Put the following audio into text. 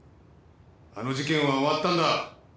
あの事件は終わったんだ。